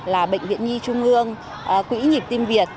là bệnh viện nhi trung ương quỹ nhịp tim việt